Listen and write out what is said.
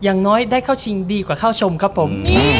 อย่างน้อยได้เข้าชิงดีกว่าเข้าชมครับผม